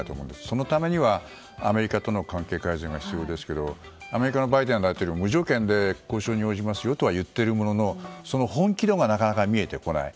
そのためには、アメリカとの関係改善が必要ですけどアメリカのバイデン大統領は無条件で交渉に応じますと言っているもののその本気度がなかなか見えてこない。